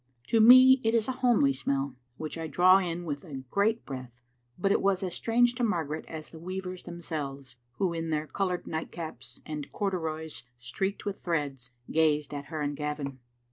To me it is a homely smell, which I draw in with a great breath, but it was as strange to Margaret as the weavers themselves, who, in their colored nightcaps and corduroys streaked with threads, gazed at her and Gavin.